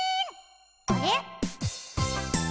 あれ？